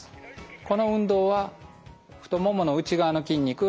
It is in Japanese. この運動は太ももの内側の筋肉が鍛えられます。